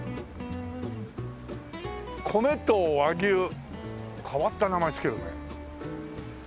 「米と和牛」変わった名前付けるね。